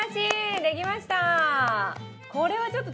できました。